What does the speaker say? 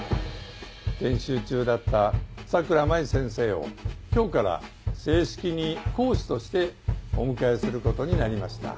研修中だった佐倉麻衣先生を今日から正式に講師としてお迎えすることになりました。